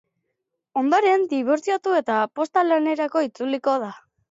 Ondoren dibortziatu eta posta lanera itzuliko da.